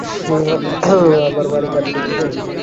আবার বাড়ি পাঠিয়ে দিবো?